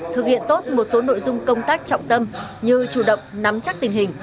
thực hiện tốt một số nội dung công tác trọng tâm như chủ động nắm chắc tình hình